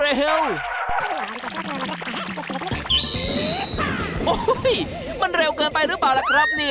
โอ้โหมันเร็วเกินไปหรือเปล่าล่ะครับนี่